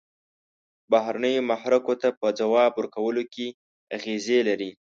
بهرنیو محرکو ته په ځواب ورکولو کې اغیزې لري.